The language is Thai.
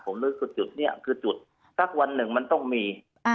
ผมนึกว่าจุดนี้คือจุดสักวันหนึ่งมันต้องมี